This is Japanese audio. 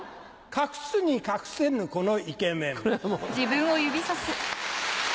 隠すに隠せぬこのイケメン。